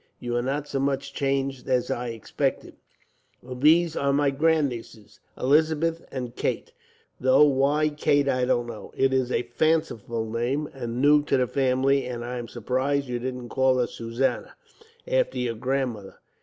You are not so much changed as I expected. "And these are my grandnieces, Elizabeth and Kate, though why Kate I don't know. It is a fanciful name, and new to the family, and I am surprised that you didn't call her Susanna, after your grandmother."